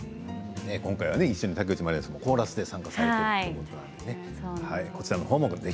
今回は一緒に竹内まりやさんもコーラスで参加されたということで。